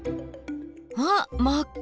わっ真っ赤！